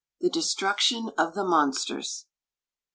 THE DESTRUCTION OF THE MONSTERS.